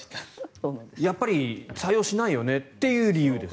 やっぱり採用しないよねっていう理由です。